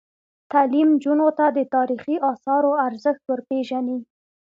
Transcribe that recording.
تعلیم نجونو ته د تاریخي اثارو ارزښت ور پېژني.